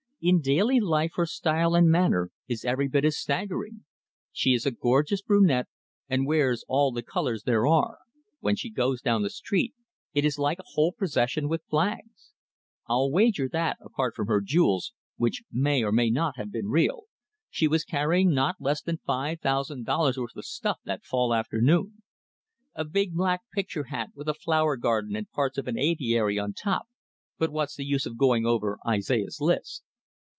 In daily life her style and manner is every bit as staggering; she is a gorgeous brunette, and wears all the colors there are when she goes down the street it is like a whole procession with flags. I'll wager that, apart from her jewels, which may or may not have been real, she was carrying not less than five thousand dollars worth of stuff that fall afternoon. A big black picture hat, with a flower garden and parts of an aviary on top but what's the use of going over Isaiah's list?